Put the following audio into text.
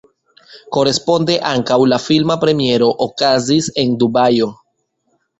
Koresponde ankaŭ la filma premiero okazis en Dubajo.